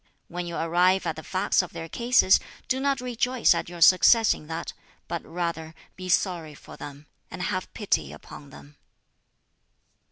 When you arrive at the facts of their cases, do not rejoice at your success in that, but rather be sorry for them, and have pity upon them."